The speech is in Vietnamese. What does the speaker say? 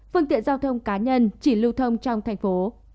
phương tiện giao thông cá nhân chỉ lưu thông trong thành phố